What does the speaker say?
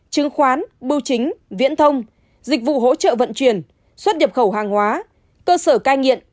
chứng khoán bưu chính viễn thông dịch vụ hỗ trợ vận chuyển xuất nhập khẩu hàng hóa cơ sở cai nghiện